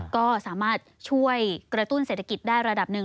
ก็สามารถช่วยกระตุ้นเศรษฐกิจได้ระดับหนึ่ง